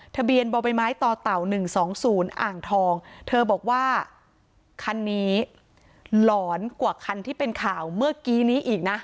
ทะเบียนบ่อใบไม้ต่อเต่า๑๒๐อ่างทองเธอบอกว่าคันนี้หลอนกว่าคันที่เป็นข่าวเมื่อกี้นี้อีกนะ